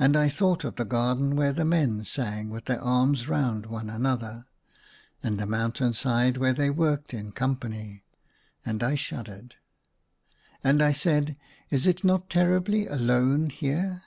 And I thought of the garden where men sang with their arms around one another; and the mountain side where they worked in company. And I shuddered. And I said, " Is it not terribly alone here